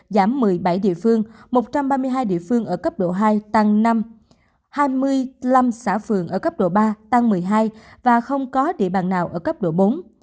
giảm một mươi bảy địa phương một trăm ba mươi hai địa phương ở cấp độ hai tăng hai mươi năm xã phường ở cấp độ ba tăng một mươi hai và không có địa bàn nào ở cấp độ bốn